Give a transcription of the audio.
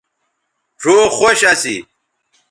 ڙھؤ خوش اسی